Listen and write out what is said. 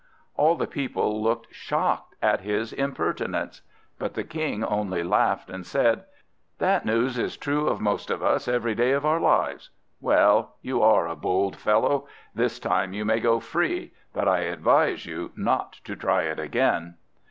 All the people looked shocked at his impertinence. But the King only laughed, and said: "That news is true of most of us every day of our lives. Well, you are a bold fellow; this time you may go free, but I advise you not to try it again."